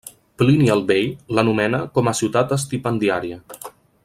Plini el vell l'anomena com a ciutat estipendiària.